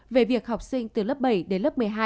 về việc học sinh từ lớp bảy đến lớp một mươi hai